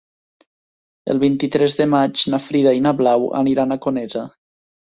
El vint-i-tres de maig na Frida i na Blau aniran a Conesa.